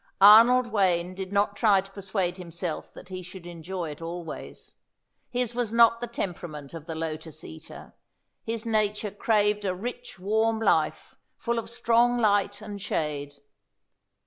Arnold Wayne did not try to persuade himself that he should enjoy it always. His was not the temperament of the lotus eater. His nature craved a rich, warm life, full of strong light and shade.